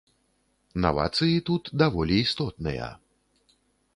Навацыі тут даволі істотныя.